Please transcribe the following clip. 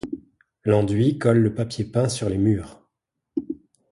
l'enduit colle le papier peint sur les murs